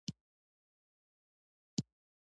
په یوه سیاسي او اجتماعي نظام کې تنظیم شوي.